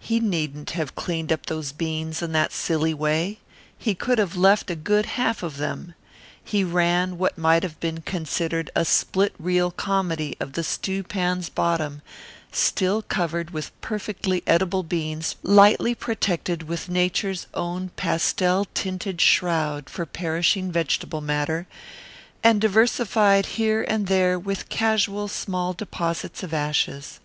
He needn't have cleaned up those beans in that silly way. He could have left a good half of them. He ran what might have been considered a split reel comedy of the stew pan's bottom still covered with perfectly edible beans lightly protected with Nature's own pastel tinted shroud for perishing vegetable matter and diversified here and there with casual small deposits of ashes.